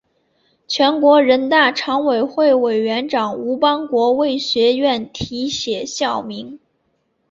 全国人大常委会委员长吴邦国为学院题写校名。